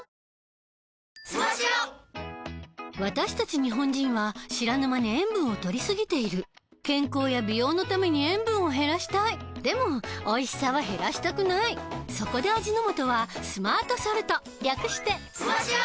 私たち日本人は知らぬ間に塩分をとりすぎている健康や美容のために塩分を減らしたいでもおいしさは減らしたくないそこで味の素は「スマートソルト」略して「スマ塩」！